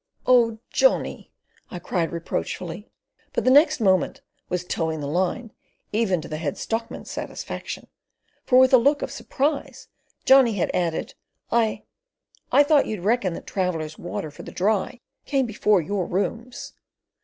"Oh, Johnny!" I cried reproachfully, but the next moment was "toeing the line" even to the Head Stockman's satisfaction; for with a look of surprise Johnny had added: "I—I thought you'd reckon that travellers' water for the Dry came before your rooms."